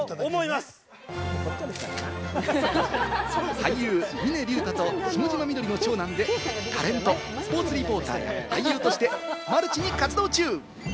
俳優・峰竜太と下嶋みどりの長男でタレント、スポーツリポーターや俳優としてマルチに活動中。